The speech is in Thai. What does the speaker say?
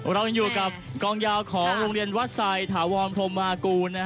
เรายังอยู่กับกองยาวของโรงเรียนวัดไซดถาวรพรมมากูล